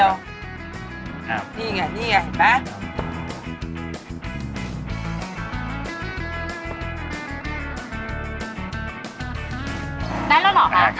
ได้แล้วหรอ